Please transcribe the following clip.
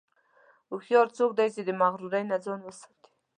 هوښیار څوک دی چې د مغرورۍ نه ځان ساتي.